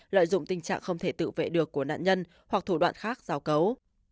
lợi dụng tình trạng không thể tự vệ được của nạn nhân hoặc thủ đoạn khác giao cấu